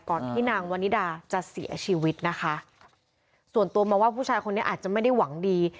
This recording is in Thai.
ที่นางวันนิดาจะเสียชีวิตนะคะส่วนตัวมองว่าผู้ชายคนนี้อาจจะไม่ได้หวังดี